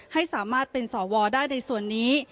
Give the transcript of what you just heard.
ให้สามารถเป็นสวได้ในส่วนนี้